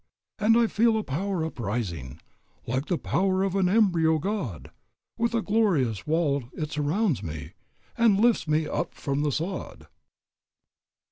"And I feel a power uprising, Like the power of an embryo god; With a glorious wall it surrounds me, And lifts me up from the sod."